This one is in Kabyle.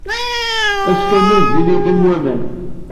Ass kamel, zzin-iyi-d am waman.